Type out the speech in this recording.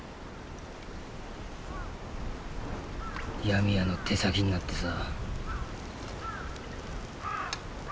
ヤミ屋の手先になってさ。